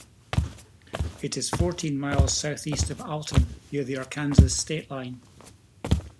It is fourteen miles southeast of Alton, near the Arkansas state line.